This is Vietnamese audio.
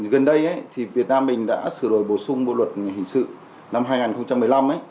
gần đây việt nam mình đã sửa đổi bổ sung bộ luật hình sự năm hai nghìn một mươi năm